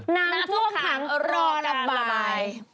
น้ำท่วมขังรออะไร